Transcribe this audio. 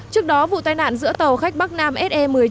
trước đó vụ tai nạn giữa tàu khách bắc nam se một mươi chín